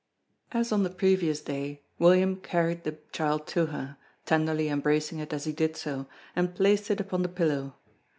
As on the previous day, William carried the child to her, tenderly embracing it as he did so, and placed it upon the pillow.